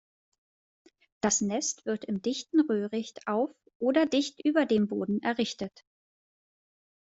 Das Nest wird im dichten Röhricht auf oder dicht über dem Boden errichtet.